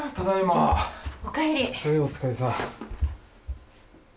はいお疲れさん。